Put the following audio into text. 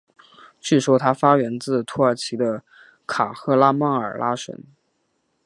据说它发源自土耳其的卡赫拉曼马拉什。